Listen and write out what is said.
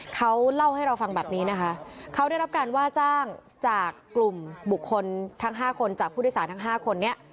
เขาเล่าให้เราฟังแบบนี้นะคะเขาได้รับการว่าจ้างจากกลุ่มบุคคลทั้ง๕คนจากผู้โดยสารทั้ง๕คนนี้